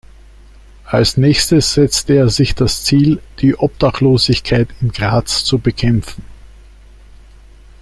Als Nächstes setzte er sich das Ziel, die Obdachlosigkeit in Graz zu bekämpfen.